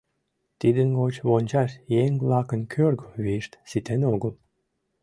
Тидын гоч вончаш еҥ-влакын кӧргӧ вийышт ситен огыл.